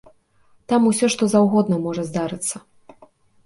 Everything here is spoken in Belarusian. Там усё што заўгодна можа здарыцца.